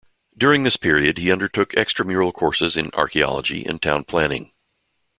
During this period he undertook extramural courses in Archaeology and Town Planning.